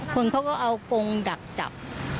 คนเขาก็เอากงดักจับ